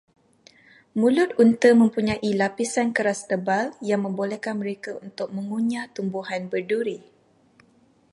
Mulut unta mempunyai lapisan keras tebal, yang membolehkan mereka untuk mengunyah tumbuhan berduri.